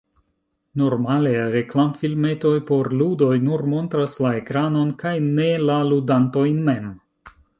Normale reklamfilmetoj por ludoj nur montras la ekranon kaj ne la ludantojn mem.